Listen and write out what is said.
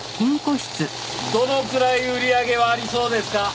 どのくらい売り上げはありそうですか？